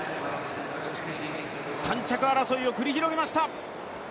３着争いを繰り広げました。